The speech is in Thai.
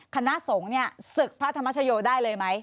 คณะสงฆ์เนี่ยศึกพระธรรมชโยได้เลยไหม